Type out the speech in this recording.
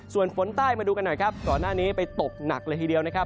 ส่วนฝนใต้มาดูกันหน่อยครับก่อนหน้านี้ไปตกหนักเลยทีเดียวนะครับ